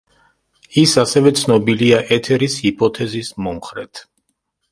ის ასევე ცნობილია ეთერის ჰიპოთეზის მომხრედ.